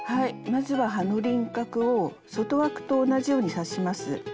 まずは葉の輪郭を外枠と同じように刺します。